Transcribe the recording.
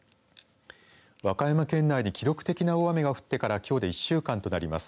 和歌山県内に記録的な大雨が降ってからきょうで１週間となります。